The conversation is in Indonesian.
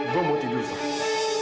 gue mau tidur fahim